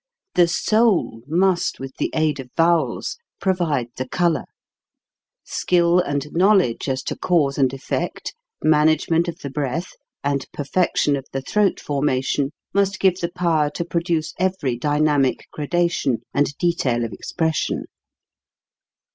The soul must with the aid of vowels provide the color; skill and knowledge as to cause 154 HOW TO SING and effect, management of the breath, and perfection of the throat formation must give the power to produce every dynamic gradation and detail of expression.